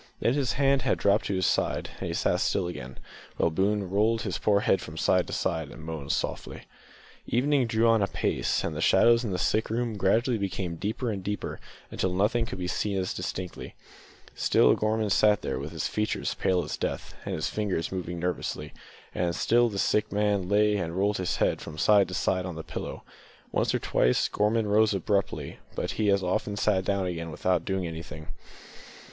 Then his hand dropped to his side, and he sat still again, while Boone rolled his poor head from side to side and moaned softly. Evening drew on apace, and the shadows in the sick room gradually became deeper and deeper until nothing could be seen distinctly. Still Gorman sat there, with his features pale as death, and his fingers moving nervously; and still the sick man lay and rolled his head from side to side on the pillow. Once or twice Gorman rose abruptly, but he as often sat down again without doing anything.